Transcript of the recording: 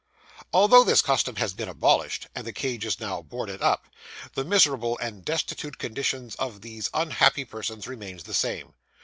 Although this custom has been abolished, and the cage is now boarded up, the miserable and destitute condition of these unhappy persons remains the same.